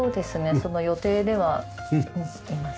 その予定ではいます。